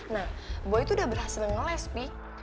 nah boy tuh udah berhasil ngeles pi